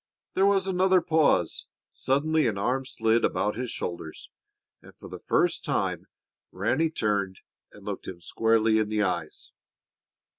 There was another pause. Suddenly an arm slid about his shoulders, and for the first time Ranny turned and looked him squarely in the eyes.